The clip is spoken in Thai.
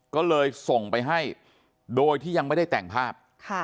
ก็เลยส่งไปให้โดยที่ยังไม่ได้แต่งภาพ